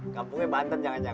kampungnya banten jangan jangan